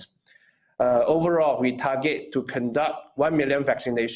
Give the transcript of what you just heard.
pada dasarnya kita berharga untuk melakukan satu juta vaksinasi